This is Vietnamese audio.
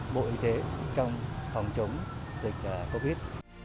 bộ y tế trong phòng chống dịch covid